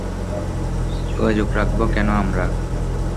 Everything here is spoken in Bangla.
যোগাযোগ রাখব কেন আমরা?